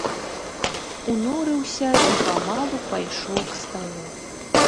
Унурыўся і памалу пайшоў к сталу.